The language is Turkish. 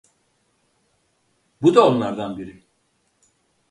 Bu da onlardan biri.